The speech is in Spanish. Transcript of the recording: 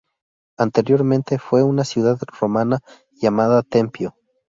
Anteriormente fue una ciudad romana llamada Tempio.